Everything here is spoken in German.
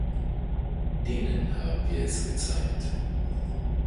Denen haben wir es gezeigt!